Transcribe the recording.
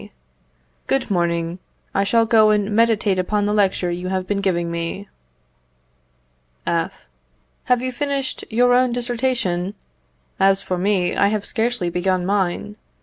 Good morning; I shall go and meditate upon the lecture you have been giving me. F. Have you finished your own dissertation? As for me, I have scarcely begun mine.